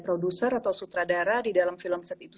produser atau sutradara di dalam film set itu